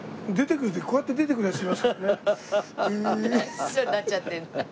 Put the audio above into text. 師匠になっちゃってる。